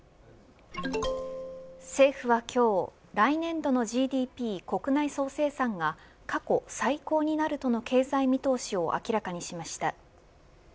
政府は今日来年度のＧＤＰ国内総生産が過去最高になるとの経済見通しを明らかにしました。